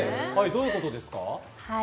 どういうことですか？